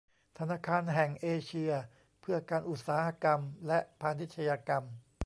ธนาคารแห่งเอเชียเพื่อการอุตสาหกรรมและพาณิชยกรรม